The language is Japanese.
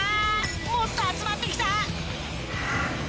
もっと集まって来た！